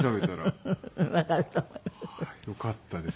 よかったです